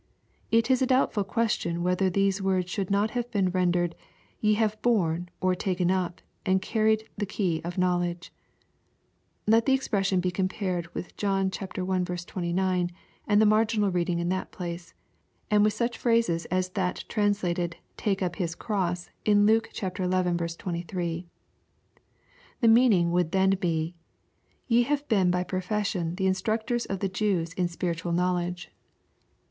] It is a doubtful question whether these words should not have been rendered " Ye have borne, or taken up, and carried the key of knowledge." Let the expression be compared with John i. 29, and the marginal reading in that place ; and with such phrases as that translated, "Take up his cross," in Luke xi. 23. The meaning would then be, " Ye have been by profession the instructors of the Jews in LUKE, CHAP. XII. 67 Spiritual knowledge.